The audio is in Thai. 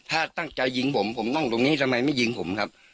ถ้าตั้งใจยิงผมผมนั่งตรงนี้ทำไมไม่ยิงผมครับ